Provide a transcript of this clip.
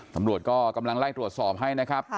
ตำรวจก็กำลังไล่ตรวจสอบให้นะครับ